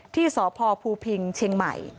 ที่สพภูพิงเชียงใหม่